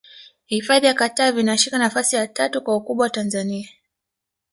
hifadhi ya katavi inashika nafasi ya tatu kwa ukubwa tanzania